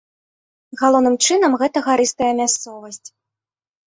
Галоўным чынам гэта гарыстая мясцовасць.